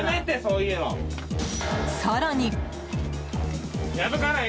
更に。